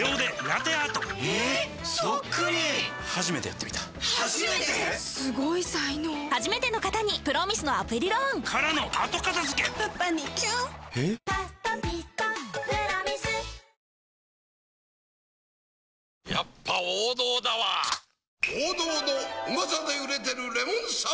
やっぱ王道だわプシュ！